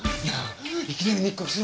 いや。